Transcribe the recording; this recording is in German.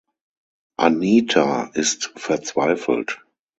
Anita ist verzweifelt.